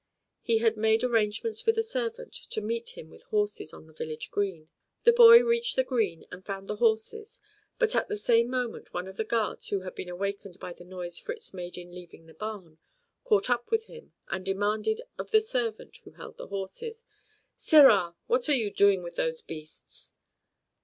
He had made arrangements with a servant to meet him with horses on the village green. The boy reached the green and found the horses, but at the same moment one of the guards, who had been awakened by the noise Fritz made in leaving the barn, caught up with him, and demanded of the servant who held the horses: "Sirrah! What are you doing with those beasts?"